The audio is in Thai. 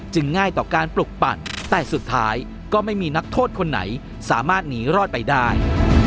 ง่ายต่อการปลุกปั่นแต่สุดท้ายก็ไม่มีนักโทษคนไหนสามารถหนีรอดไปได้